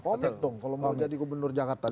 komit dong kalau mau jadi gubernur jakarta